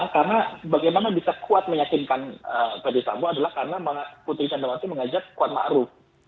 karena bagaimana bisa kuat meyakinkan fadis sambo adalah karena putri candrawati mengajak kuat ma'ruf